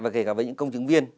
và kể cả với những công chứng viên